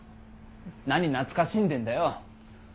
何懐かしんでるんだよ。